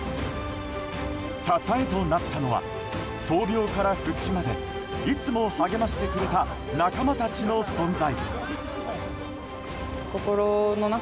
支えとなったのは闘病から復帰までいつも励ましてくれた仲間たちの存在。